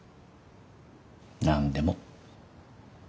何でも。